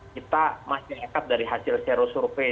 kita masih ekat dari hasil sero survei